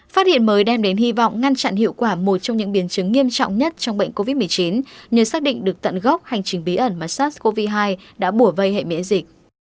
phát hiện mới đem đến hy vọng ngăn chặn hiệu quả một trong những biến chứng nghiêm trọng nhất trong bệnh covid một mươi chín nhờ xác định được tận gốc hành trình bí ẩn mà sars cov hai đã bùa vây hệ miễn dịch